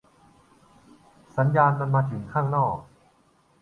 สัญญาณมันมาถึงข้างนอก